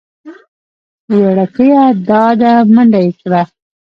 وېړکيه دا ده منډه يې کړه .